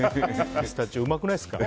ピスタチオ、うまくないですか？